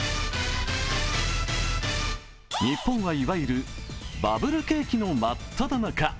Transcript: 日本はいわゆるバブル景気の真っただ中。